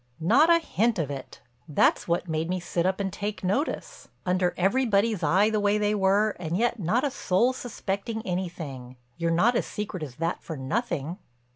"Not a hint of it. That's what made me sit up and take notice. Under everybody's eye the way they were and yet not a soul suspecting anything—you're not as secret as that for nothing."